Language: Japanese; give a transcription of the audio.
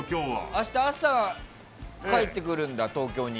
明日朝、帰ってくるんだ東京に。